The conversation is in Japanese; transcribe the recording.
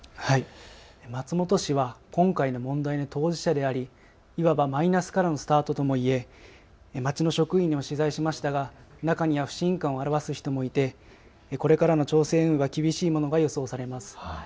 松本氏は今回の問題の当事者でありいわばマイナスからのスタートとも言え町の職員にも取材しましたが中には不信感を表す人もいてこれからの町政運営も厳しいものが予想されます。